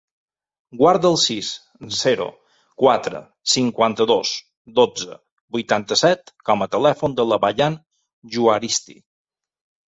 Guarda el sis, zero, quatre, cinquanta-dos, dotze, vuitanta-set com a telèfon de la Bayan Juaristi.